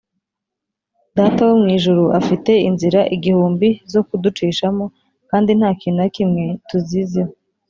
data wo mu ijuru afite inzira igihumbi zo kuducishamo kandi nta kintu na kimwe tuziziho